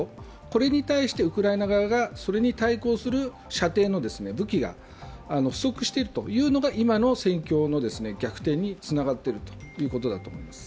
これに対してウクライナ側が、それに対抗する射程の武器が不足しているというのが今の戦況の逆転につながっていると思います。